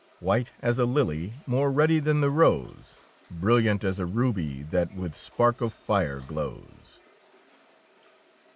White as a lily, more ruddy than the rose, Brilliant as a ruby that with spark of fire glows.